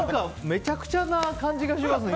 めちゃくちゃな感じがしますね